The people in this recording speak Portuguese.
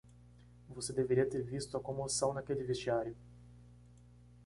Você deveria ter visto a comoção naquele vestiário.